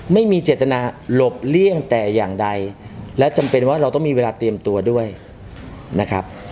ไม่มีเจตนาหลบเลี่ยงแต่อย่างใดและจำเป็นว่าเราต้องมีเวลาเตรียมตัวด้วยนะครับ